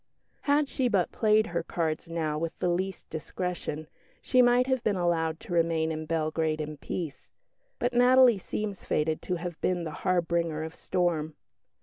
Had she but played her cards now with the least discretion, she might have been allowed to remain in Belgrade in peace. But Natalie seems fated to have been the harbinger of storm.